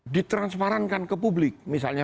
ditransparankan ke publik misalnya